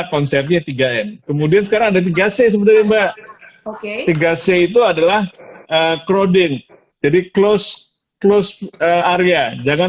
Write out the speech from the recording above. konsepnya tiga m kemudian sekarang ada tiga c sebenarnya mbak oke tiga c itu adalah crowding jadi close close area jangan